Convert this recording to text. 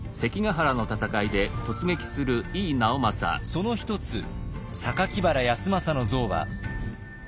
その一つ榊原康政の像は。